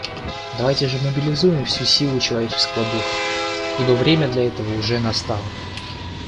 Давайте же мобилизуем всю силу человеческого духа, ибо время для этого уже настало.